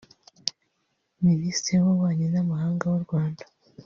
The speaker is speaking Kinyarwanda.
Minisitiri w’ububanyi n’amahanga w’u Rwanda